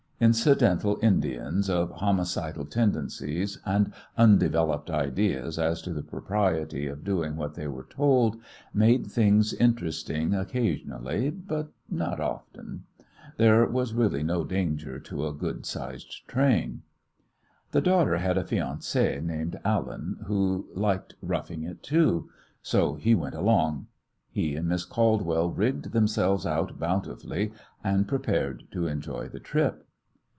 Incidental Indians, of homicidal tendencies and undeveloped ideas as to the propriety of doing what they were told, made things interesting occasionally, but not often. There was really no danger to a good sized train. The daughter had a fiancé named Allen who liked roughing it, too; so he went along. He and Miss Caldwell rigged themselves out bountifully, and prepared to enjoy the trip.